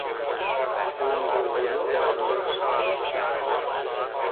تلنگرزنی با انگشت